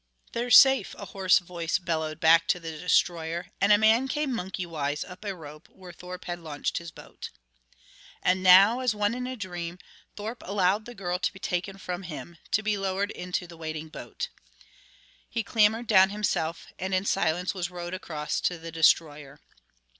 "They're safe," a hoarse voice bellowed back to the destroyer, and a man came monkeywise up a rope where Thorpe had launched his boat. And now, as one in a dream, Thorpe allowed the girl to be taken from him, to be lowered to the waiting boat. He clambered down himself and in silence was rowed across to the destroyer.